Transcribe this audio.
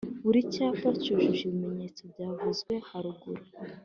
Buri cyapa cyujuje ibimenyetso byavuzwe haruguru